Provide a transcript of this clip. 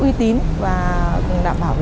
uy tín và đảm bảo